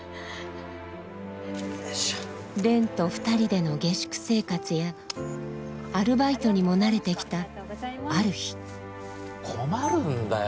蓮と２人での下宿生活やアルバイトにも慣れてきたある日困るんだよ